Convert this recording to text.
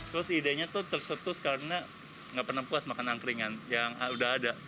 terus idenya tuh cek cek tuh karena enggak pernah puas makan angkringan yang udah ada